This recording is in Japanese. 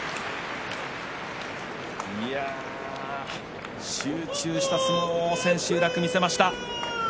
いや、集中した相撲を千秋楽に見せました。